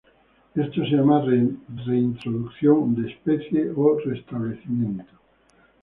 Esto se llama reintroducción de especies o restablecimiento.